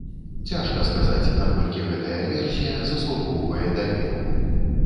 Цяжка сказаць, наколькі гэтая версія заслугоўвае даверу.